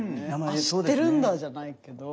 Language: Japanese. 「あっ知ってるんだ」じゃないけど。